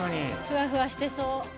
ふわふわしてそう。